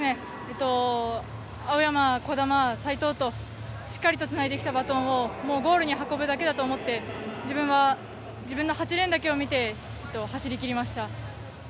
青山、兒玉、齋藤としっかりとつないできたバトンをゴールに運ぶだけだと思って自分は自分の８レーンだけを見て走り切りました。